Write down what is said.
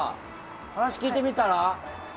話を聞いてみたら？